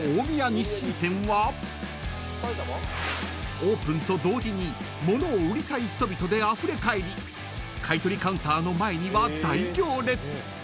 ［オープンと同時に物を売りたい人々であふれ返り買い取りカウンターの前には大行列］